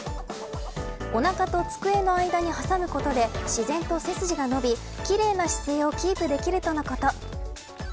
おなかと机の間に挟むことで自然と背筋が伸び奇麗な姿勢をキープできるとのこと。